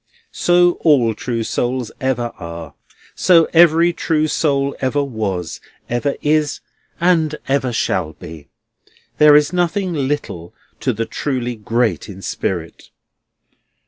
So all true souls ever are. So every true soul ever was, ever is, and ever will be. There is nothing little to the really great in spirit.